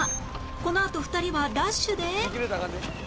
このあと２人はダッシュで